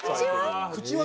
口は？